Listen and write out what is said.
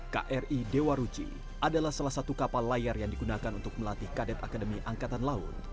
kri dewa ruci adalah salah satu kapal layar yang digunakan untuk melatih kadet akademi angkatan laut